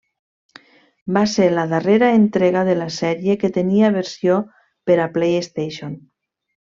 Va ser la darrera entrega de la sèrie que tenia versió per a PlayStation.